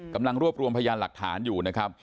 กำลังรวบรวมพยานหลักฐานอยู่นะครับ